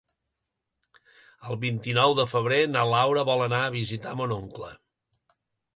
El vint-i-nou de febrer na Laura vol anar a visitar mon oncle.